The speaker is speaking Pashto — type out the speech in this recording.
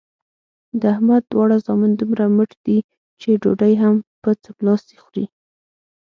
د احمد دواړه زامن دومره مټ دي چې ډوډۍ هم په څملاستې خوري.